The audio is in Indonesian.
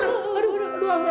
lu masih kesana kesana be